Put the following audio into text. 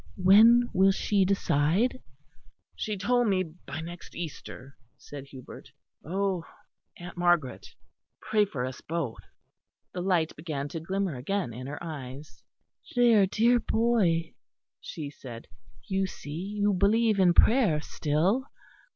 "When will she decide?" "She told me by next Easter," said Hubert. "Oh, Aunt Margaret, pray for us both." The light began to glimmer again in her eyes. "There, dear boy," she said, "you see you believe in prayer still."